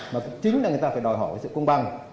mà chính là người ta phải đòi hỏi về sự công bằng